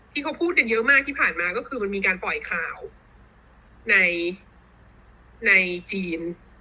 ที่เขาพูดกันเยอะมากที่ผ่านมาก็คือมันมีการปล่อยข่าวในจีน